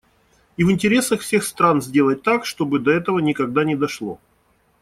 И в интересах всех стран сделать так, чтобы до этого никогда не дошло.